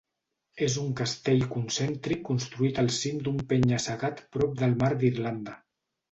És un castell concèntric construït al cim d'un penya-segat prop del mar d'Irlanda.